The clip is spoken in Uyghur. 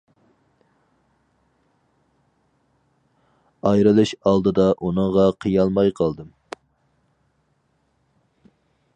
ئايرىلىش ئالدىدا ئۇنىڭغا قىيالماي قالدىم.